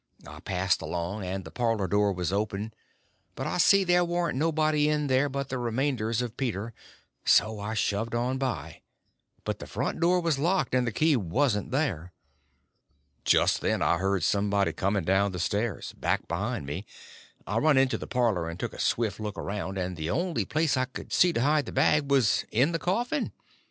I passed along, and the parlor door was open; but I see there warn't nobody in there but the remainders of Peter; so I shoved on by; but the front door was locked, and the key wasn't there. Just then I heard somebody coming down the stairs, back behind me. I run in the parlor and took a swift look around, and the only place I see to hide the bag was in the coffin.